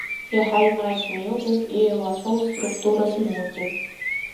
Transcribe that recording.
Иаҳа имаҷны иҟоуп иеилоу аҳәоу аструқтура змоугьы.